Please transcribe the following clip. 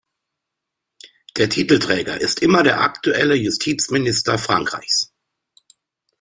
Der Titelträger ist immer der aktuelle Justizminister Frankreichs.